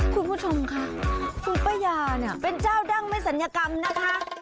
คุณผู้ชมค่ะคุณป้ายาเนี่ยเป็นเจ้าดั้งไม่ศัลยกรรมนะคะ